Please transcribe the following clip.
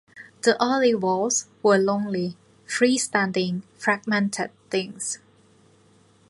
The early "walls" were lonely, freestanding, fragmented things.